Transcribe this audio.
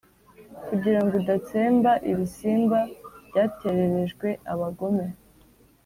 kugira ngo udatsemba ibisimba byatererejwe abagome,